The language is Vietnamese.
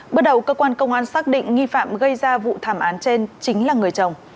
bước đầu cơ quan công an xác định nghi phạm gây ra vụ thảm án trên chính là người chồng